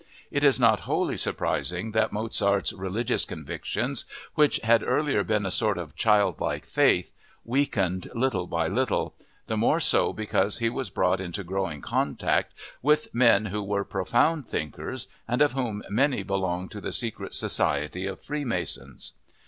It is not wholly surprising that Mozart's religious conviction, which had earlier been a sort of childlike faith, weakened little by little—the more so because he was brought into growing contact with men who were profound thinkers and of whom many belonged to the secret society of Freemasons.